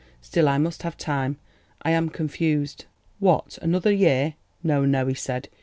Still, I must have time. I am confused." "What, another year? No, no," he said.